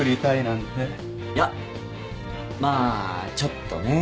いやまあちょっとね。